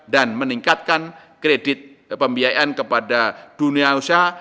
dan meningkatkan kredit pembiayaan kepada dunia usaha